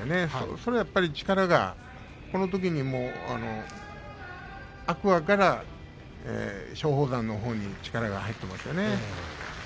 そのときやっぱり力がこのときに天空海から松鳳山のほうに力が入っていましたよね